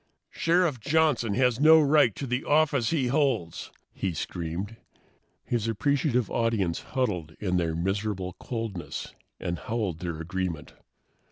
"Sheriff Johnson has no right to the office he holds," he screamed. His appreciative audience huddled in their miserable coldness and howled their agreement.